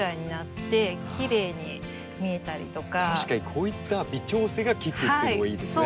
こういった微調整が利くっていうのもいいですね。